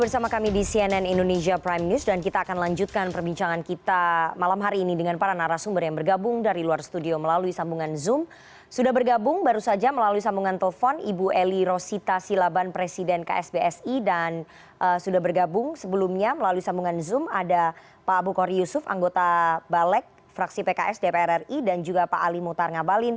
sampai jumpa di video selanjutnya